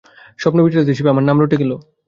স্বপ্নবিশারদ হিসেবে আমার নাম রটে গেল!